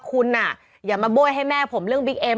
คุณอย่ามาโบ้ยให้แม่ผมเรื่องบิ๊กเอ็ม